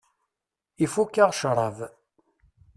Ifukk-aɣ ccrab.